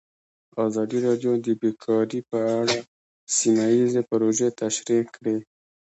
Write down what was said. ازادي راډیو د بیکاري په اړه سیمه ییزې پروژې تشریح کړې.